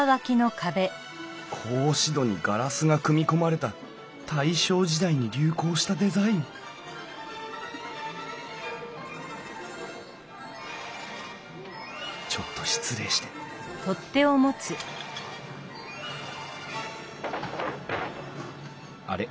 格子戸にガラスが組み込まれた大正時代に流行したデザインちょっと失礼してあれ？